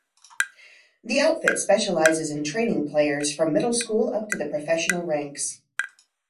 The outfit specializes in training players from middle school up to the professional ranks.